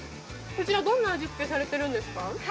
こちらどんな味付けされているんですか？